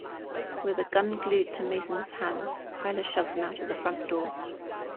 With the gun glued to Mason's hands, Tyler shoves him out the front door.